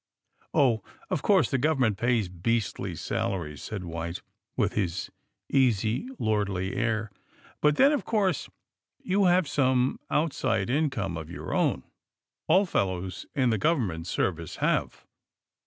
*^0h, of course the government pays beastly salaries," said White, with his easy, lordly air. But then, of course, you have some outside in come of your own. All fellows in the govern ment service have."